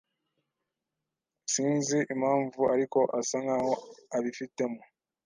Sinzi impamvu, ariko asa nkaho abifitemo.